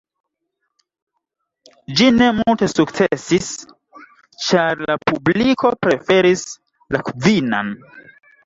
Ĝi ne multe sukcesis, ĉar la publiko preferis la Kvinan.